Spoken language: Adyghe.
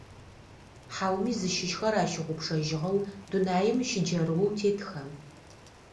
Хьауми зыщыщхэр ащыгъупшэжьыгъэу дунаим щыджэрыоу тетыха?